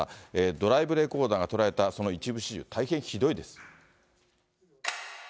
ドライブレコーダーが捉えたその一部始終、大変ひどいです。